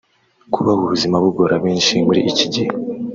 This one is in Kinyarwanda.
Kuba ubuzima bugora benshi muri iki gihe